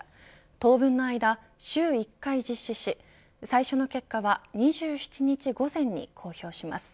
当分の間、週１回実施し最初の結果は、２７日午前に公表します。